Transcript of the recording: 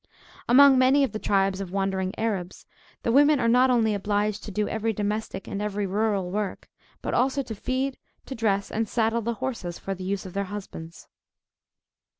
Among many of the tribes of wandering Arabs, the women are not only obliged to do every domestic and every rural work, but also to feed, to dress, and saddle the horses, for the use of their husbands.